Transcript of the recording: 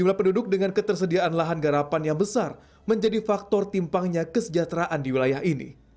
jumlah penduduk dengan ketersediaan lahan garapan yang besar menjadi faktor timpangnya kesejahteraan di wilayah ini